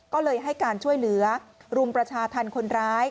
ก็เลยให้การช่วยเหลือรุมประชาธรรมคนร้าย